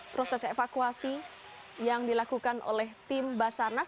proses evakuasi yang dilakukan oleh tim basarnas